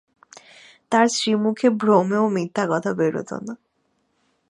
তাঁর শ্রীমুখে ভ্রমেও মিথ্যা কথা বেরুত না।